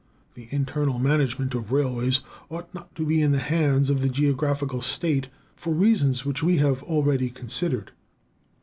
The internal management of railways ought not to be in the hands of the geographical state, for reasons which we have already considered.